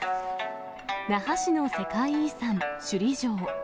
那覇市の世界遺産、首里城。